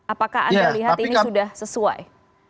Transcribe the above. apakah anda melihat ini sudah sesuai